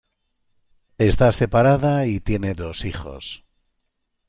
Está separada y tiene dos hijos.